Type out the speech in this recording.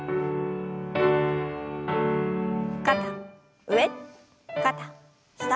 肩上肩下。